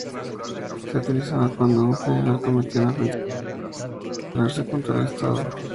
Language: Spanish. Se utilizaba cuando un general cometía una ofensa militar, como rebelarse contra el Estado.